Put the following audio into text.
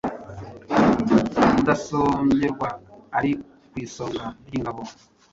Umudasongerwa ari ku isonga ry’ingabo,